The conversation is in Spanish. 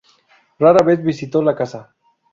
Rara vez visitó la casa.